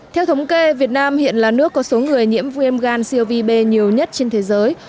theo thống kê việt nam hiện là nước có số người nhiễm viêm gan siêu vi b nhiều nhất trên thế giới